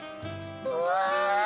うわ！